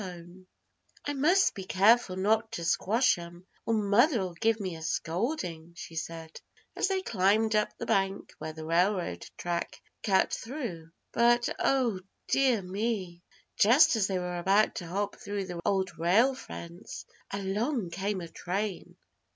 Little Jack Rabbit's Adventures Page 81] "I must be careful not to squash 'em, or Mother'll give me a scolding," she said, as they climbed up the bank where the railroad track cut through. But, Oh dear me! Just as they were about to hop through the Old Rail Fence, along came a train.